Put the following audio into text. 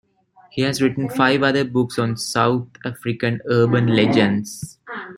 He has written five other books on South African urban legends.